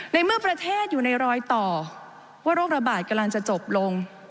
ในเมื่อประเทศอยู่ในรอยต่อว่าโรคระบาดกำลังจะจบลง